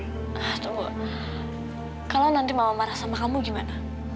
tuh kalau nanti mama marah sama kamu gimana